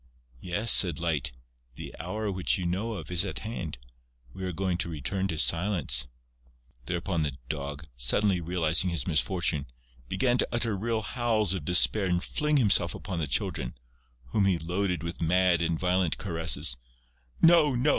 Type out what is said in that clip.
"Yes," said Light. "The hour which you know of is at hand.... We are going to return to silence...." Thereupon the Dog, suddenly realizing his misfortune, began to utter real howls of despair and fling himself upon the Children, whom he loaded with mad and violent caresses: "No! No!"